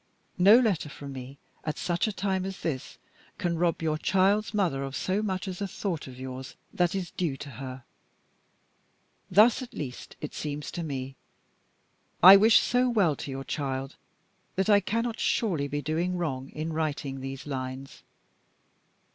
No letter from me, at such a time as this, can rob your child's mother of so much as a thought of yours that is due to her. Thus, at least, it seems to me. I wish so well to your child, that I cannot surely be doing wrong in writing these lines.